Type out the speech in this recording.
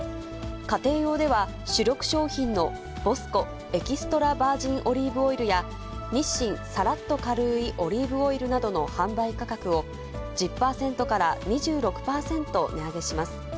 家庭用では、主力商品のボスコエキストラバージンオリーブオイルや、日清さらっと軽ーいオリーブオイルなどの販売価格を１０％から２６％値上げします。